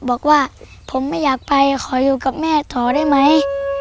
บอกว่าผมไม่อยากไปขออยู่กับแม่ต่อได้ไหม